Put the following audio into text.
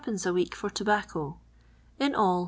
a week for tobacco. In all